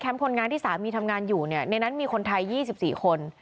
แคมป์พลงานที่สามีทำงานอยู่เนี่ยในนั้นมีคนไทยยี่สิบสี่คน